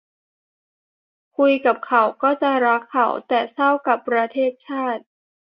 คุยกับเขา ก็จะรักเขา แต่เศร้ากับประเทศชาติ